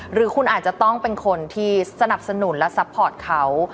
หรือคุณอาจจะต้องเป็นคนที่สนับสนุนและซัพพอร์ตเขา